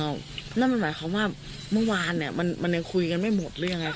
แล้วมันหมายความว่าเมื่อวานเนี่ยมันยังคุยกันไม่หมดหรือยังไงค